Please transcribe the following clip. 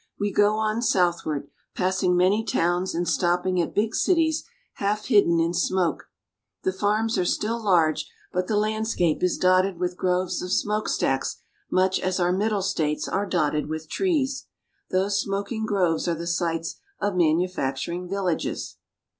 We go on southward, passing many towns and stopping at big cities half hidden in smoke. The farms are still large, but the landscape is dotted with groves of smokestacks much as our Middle States are dotted with trees. Those smoking groves are the sites of manufacturing villages.